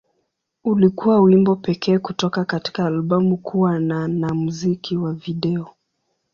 Ulikuwa wimbo pekee kutoka katika albamu kuwa na na muziki wa video.